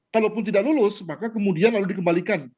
kalaupun tidak lulus maka kemudian lalu dikembalikan